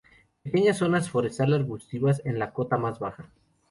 Pequeñas zonas forestal-arbustivas en la cota más baja.